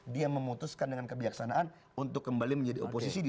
dia memutuskan dengan kebijaksanaan untuk kembali menjadi oposisi di dua ribu empat belas